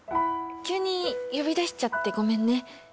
急に呼び出しちゃってごめんね。